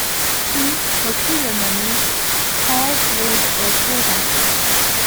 He occasionally tours with a full band.